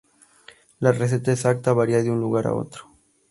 La receta exacta varía de un lugar a otro.